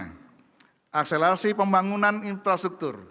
ketiga akselerasi pembangunan infrastruktur